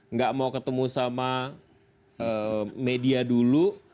nggak mau ketemu sama media dulu